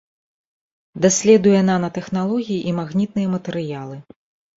Даследуе нанатэхналогіі і магнітныя матэрыялы.